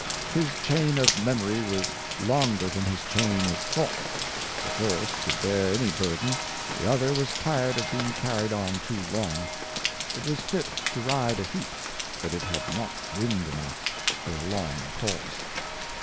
His Chain of Memory was longer than his Chain of Thought; the first could bear any Burden, the other was tired by being carried on too long ; it was fit to ride a Heat, but it had not Wind enough for a long Course.